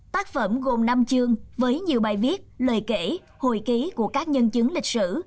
tác phẩm gồm năm chương với nhiều bài viết lời kể hồi ký của các nhân chứng lịch sử